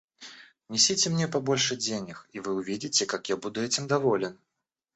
Несите мне побольше денег, и вы увидите, как я буду этим доволен.